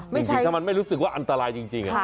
จริงถ้ามันไม่รู้สึกว่าอันตรายจริง